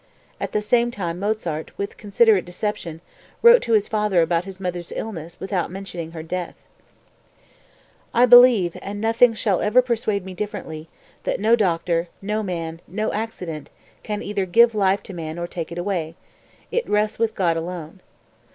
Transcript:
At the same time Mozart, with considerate deception, wrote to his father about his mother's illness without mentioning her death.) 249. "I believe, and nothing shall ever persuade me differently, that no doctor, no man, no accident, can either give life to man or take it away; it rests with God alone.